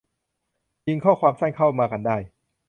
ยิงข้อความสั้นเข้ามากันได้